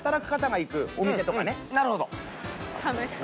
なるほど。